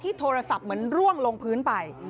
โทรศัพท์เหมือนร่วงลงพื้นไป